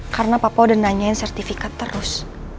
karena papa udah nanyain sertifikat terus